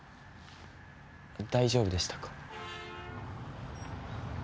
大丈夫でしたか？